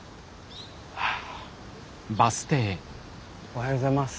おはようございます。